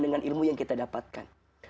dengan ilmu yang kita dapatkan